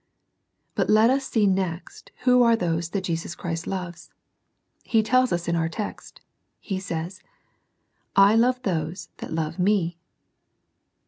But let us see next who are those that Jesus Christ loves. He tells us in our text He says, —" I love those that love Me."